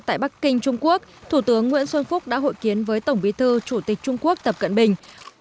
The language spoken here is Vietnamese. tại bắc kinh trung quốc thủ tướng nguyễn xuân phúc đã hội kiến với tổng bí thư chủ tịch trung quốc tập cận bình